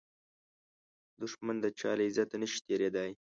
دښمن د چا له عزته نشي تېریدای